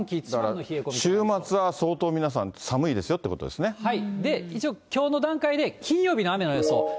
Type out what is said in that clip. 週末は、相当皆さん、寒いで一応、きょうの段階で金曜日の雨の予想。